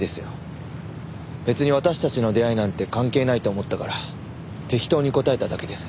別に私たちの出会いなんて関係ないと思ったから適当に答えただけです。